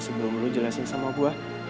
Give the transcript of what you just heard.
sebelum lu jelasin sama buah